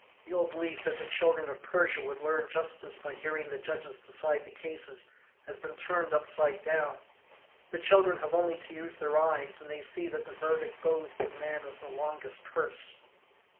The old belief that the children of Persia would learn justice by hearing the judges decide the cases has been turned upside down: the children have only to use their eyes and they see that the verdict goes to the man with the longest purse.